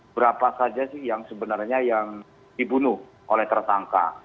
berapa saja sih yang sebenarnya yang dibunuh oleh tersangka